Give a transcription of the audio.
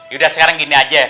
yaudah sekarang gini aja